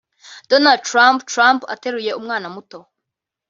Donald Trump Trump ateruye umwana muto